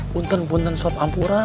buntang buntang sop ampura